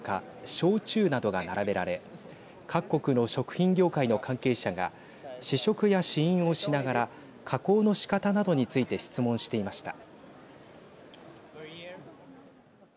焼酎などが並べられ各国の食品業界の関係者が試食や試飲をしながら加工の仕方などについて質問していました。